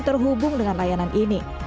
terhubung dengan layanan ini